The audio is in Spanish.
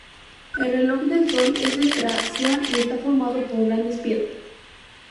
El reloj de sol es de Tracia y está formado por grandes piedras.